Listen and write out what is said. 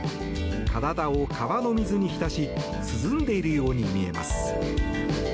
体を川の水に浸し涼んでいるように見えます。